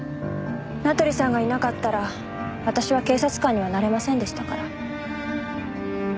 名取さんがいなかったら私は警察官にはなれませんでしたから。